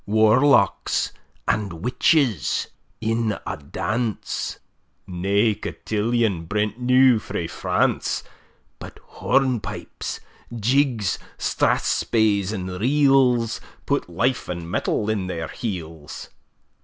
Warlocks and witches in a dance; Nae cotillion brent new frae France, But hornpipes, jigs, strathspeys, and reels, Put life and mettle in their heels.